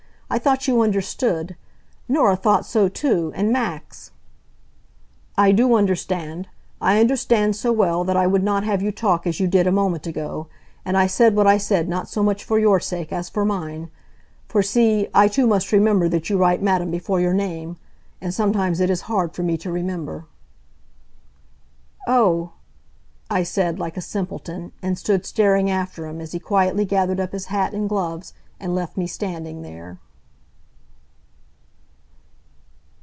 I thought you understood. Norah thought so too, and Max " "I do understand. I understand so well that I would not have you talk as you did a moment ago. And I said what I said not so much for your sake, as for mine. For see, I too must remember that you write madam before your name. And sometimes it is hard for me to remember." "Oh," I said, like a simpleton, and stood staring after him as he quietly gathered up his hat and gloves and left me standing there.